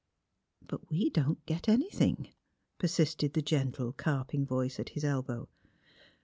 '' But we don't get anything," persisted the gentle, carping voice at his elbow.